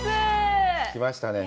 きましたね。